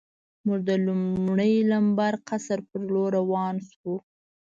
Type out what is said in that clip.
موږ د لومړي لمبر قصر په لور روان شو.